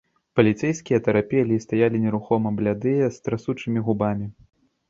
Паліцэйскія атарапелі і стаялі нерухома, блядыя, з трасучымі губамі.